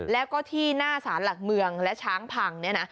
แล้วก็ที่หน้าสารหลักเมืองและช้างพังเนี่ยนะ